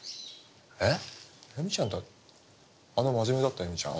えっエミちゃんってあの真面目だったエミちゃん？